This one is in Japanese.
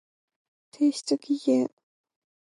提出期限